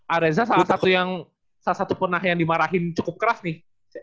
areza salah satu yang salah satu pernah yang dimarahin cukup keras nih